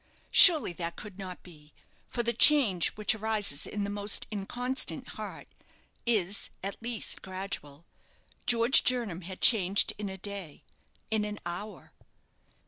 surely that could not be, for the change which arises in the most inconstant heart is, at least, gradual. George Jernam had changed in a day in an hour.